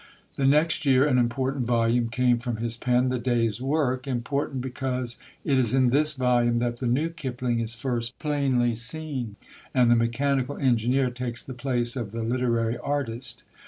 The next year an important volume came from his pen, The Day's Work important because it is in this volume that the new Kipling is first plainly seen, and the mechanical engineer takes the place of the literary artist.